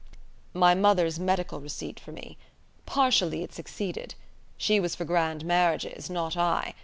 "My mother's medical receipt for me. Partially it succeeded. She was for grand marriages: not I.